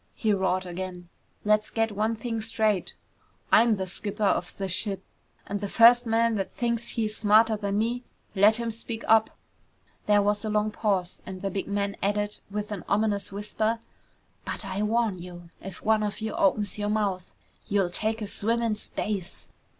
he roared again. "Let's get one thing straight! I'm the skipper of this ship and the first man that thinks he's smarter than me, let him speak up!" There was a long pause and the big man added with an ominous whisper, "But I warn you, if one of you opens your mouth, you'll take a swim in space!"